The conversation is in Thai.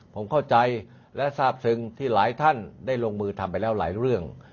ผมเข้าใจและทราบซึ้งที่หลายท่านได้ลงมือทำไปแล้วหลายเรื่อง